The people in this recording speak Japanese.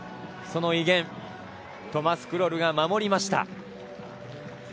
その威厳をトマス・クロルが守りました。